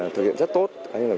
thực hiện rất tốt